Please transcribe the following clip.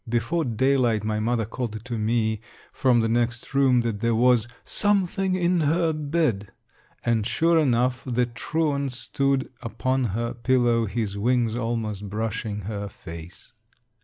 Before day light my mother called to me from the next room that there was "something in her bed," and, sure enough, the truant stood upon her pillow, his wings almost brushing her face.